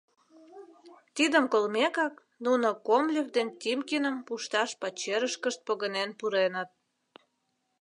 Тидым колмекак, нуно Комлев ден Тимкиным пушташ пачерышкышт погынен пуреныт.